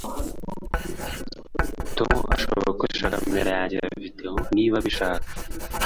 Tom arashobora gukoresha kamera yanjye ya videwo niba abishaka